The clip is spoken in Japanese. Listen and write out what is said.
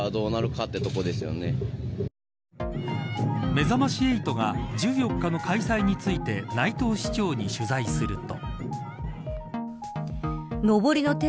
めざまし８が１４日の開催について内藤市長に取材すると。